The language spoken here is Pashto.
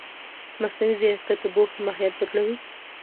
مصنوعي ځیرکتیا د پوهې ماهیت بدلوي.